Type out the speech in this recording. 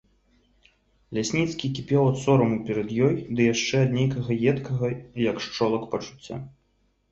Лясніцкі кіпеў ад сораму перад ёй ды яшчэ ад нейкага едкага, як шчолак, пачуцця.